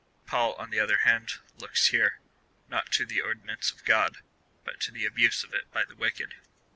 ^ Paul, on the other hand, looks here — not to the ordinance of God, but to the abuse of it by the wicked.